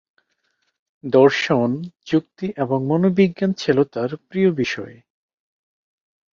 দর্শন, যুক্তি এবং মনোবিজ্ঞান ছিল তাঁর প্রিয় বিষয়।